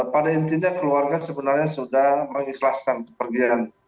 pada intinya keluarga sebenarnya sudah mengikhlaskan kepergian